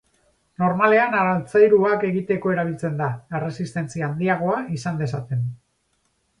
Normalean altzairuak egiteko erabiltzen da, erresistentzia handiagoa izan dezaten.